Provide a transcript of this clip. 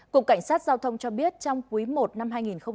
cục cảnh sát giao thông cho biết trong quý i năm hai nghìn hai mươi